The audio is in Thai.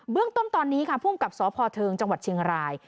เรื่องต้นตอนนี้ค่ะภูมิกับสพเทิงจังหวัดเชียงราย